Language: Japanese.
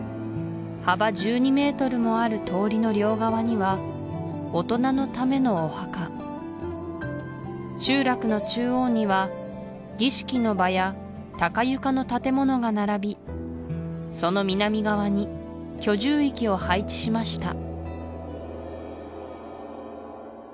幅１２ｍもある通りの両側には大人のためのお墓集落の中央には儀式の場や高床の建物が並びその南側に居住域を配置しました